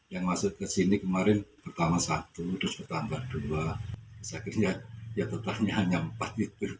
yang masuk ke sini kemarin pertama satu terus bertambah dua ya tetap hanya empat